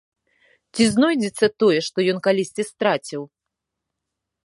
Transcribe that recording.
Ці знойдзецца тое, што ён калісьці страціў?